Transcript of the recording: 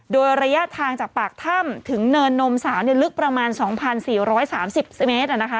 โดยระยะทางจากปากถ้ำถึงเนินนมสาวลึกประมาณ๒๔๓๐เซนติเมตร